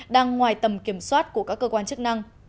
đang ngoài tầm kiểm soát của các cơ quan chức năng